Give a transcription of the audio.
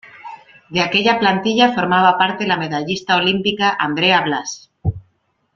De aquella plantilla formaba parte la medallista olímpica Andrea Blas.